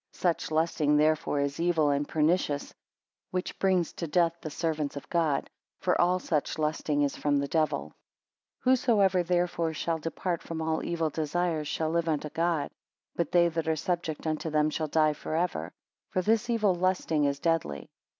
Such lusting therefore is evil and pernicious, which brings to death the servants of God. For all such lusting is from the devil. 6 Whosoever therefore shall depart from all evil desires, shall live unto God; but they that are subject unto them shall die forever. For this evil lusting is deadly.